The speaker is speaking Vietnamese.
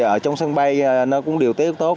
ở trong sân bay nó cũng điều tiết tốt